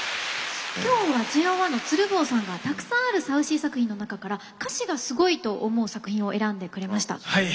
今日はＪＯ１の鶴房さんがたくさんあるサウシー作品の中から歌詞がすごいと思う作品をはい。